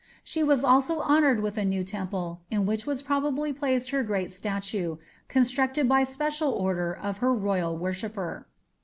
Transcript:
She was also honoured with a new temple, in which was probably placed her great statue, constructed by special order of her royal worshipper.